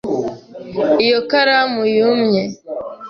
Iyi karamu yumye.